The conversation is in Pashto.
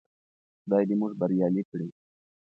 خدای دې موږ بريالي کړي.